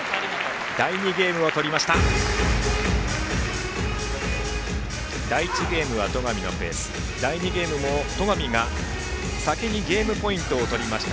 第２ゲームを取りました。